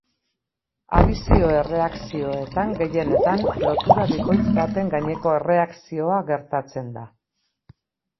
Adizio-erreakzioetan, gehienetan, lotura bikoitz baten gaineko erreakzioa gertatzen da.